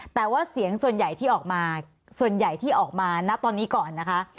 แต่ว่าเสียงส่วนใหญ่ที่ออกมาส่วนใหญ่ที่ออกมาณตอนนี้ก่อนนะคะ